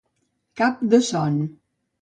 Cap de son.